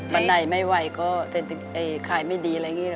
วันไหนไม่ไหวก็จะขายไม่ดีอะไรอย่างนี้